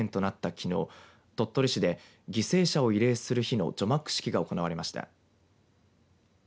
きのう鳥取市で犠牲者を慰霊する日の除幕式が行われました。